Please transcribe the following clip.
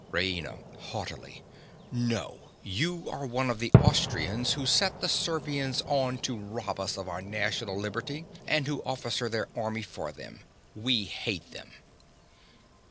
RAINA. (haughtily). No, you are one of the Austrians who set the Servians on to rob us of our national liberty, and who officer their army for them. We hate them!